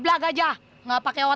limpa yang di zoo